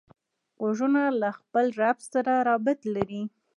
غوږونه له خپل رب سره رابط لري